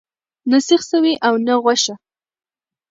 نه سیخ سوی او نه غوښه.